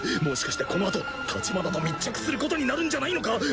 もしかしてこのあと橘と密着することになるんじゃないのか？